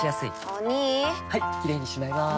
お兄はいキレイにしまいます！